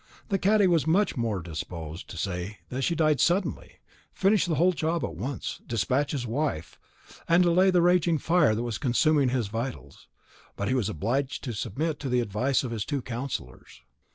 The cadi was much more disposed to say that she died suddenly, finish the whole job at once, despatch his wife, and allay the raging fire that was consuming his vitals; but he was obliged to submit to the advice of his two counsellors.